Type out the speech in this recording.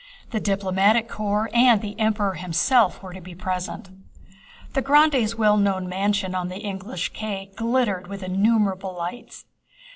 The diplomatic corps and the Emperor himself were to be present. The grandee's well known mansion on the English Quay glittered with innumerable lights.